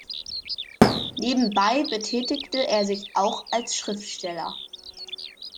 Nebenbei betätigte er sich auch als Schriftsteller.